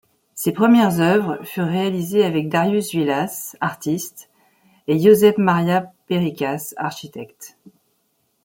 Ses premières œuvres furent réalisées avec Darius Vilas, artiste, et Josep Maria Pericas, architecte.